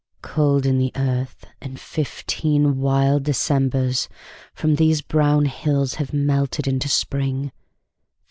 Cold in the earth, and fifteen wild Decembers From these brown hills have melted into Spring.